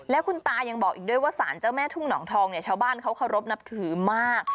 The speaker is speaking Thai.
แล้วคุณตายังบอกอีกด้วยว่าสารเจ้าแม่ทุ่งหนองทองเนี่ยชาวบ้านเขาเคารพนับถือมาก